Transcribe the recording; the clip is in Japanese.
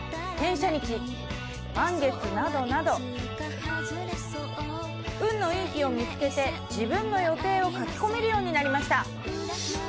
天赦日満月などなど運のいい日を見つけて自分の予定を書き込めるようになりました。